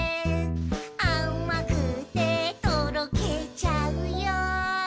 「あまくてとろけちゃうよ」